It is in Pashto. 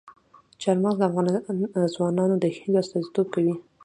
چار مغز د افغان ځوانانو د هیلو استازیتوب کوي.